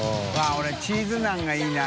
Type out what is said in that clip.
俺チーズナンがいいな。